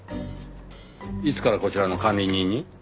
いつからこちらの管理人に？